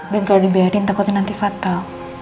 dan kalau dibiarin takut nanti fatal